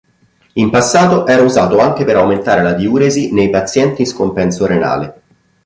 In passato era usato anche per aumentare la diuresi nei pazienti in scompenso renale.